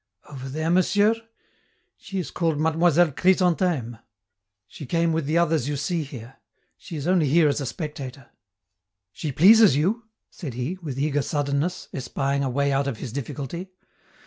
"Over there, Monsieur? She is called Mademoiselle Chrysantheme. She came with the others you see here; she is only here as a spectator. She pleases you?" said he, with eager suddenness, espying a way out of his difficulty.